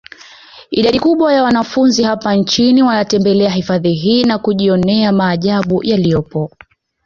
Idadi kubwa ya wanafunzi hapa nchini wanatembelea hifadhi hii na kujionea maajabu yaliyopo